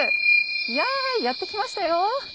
いややって来ましたよ！